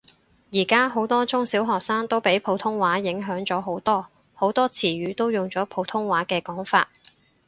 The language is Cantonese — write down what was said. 而家好多中小學生都俾普通話影響咗好多，好多詞語都用咗普通話嘅講法